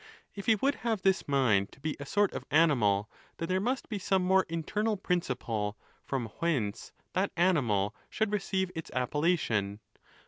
If he would have this mind to be a sort of animal, then there must be some more internal principle from whence that animal should receive its appellation.